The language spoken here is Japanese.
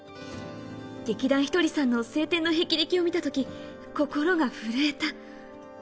劇団ひとりさんの青天の霹靂を見たとき、心が震えた。